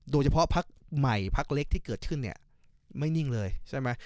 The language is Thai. เฉพาะพักใหม่พักเล็กที่เกิดขึ้นเนี่ยไม่นิ่งเลยใช่ไหม